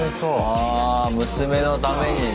あ娘のためにね。